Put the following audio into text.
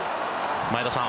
前田さん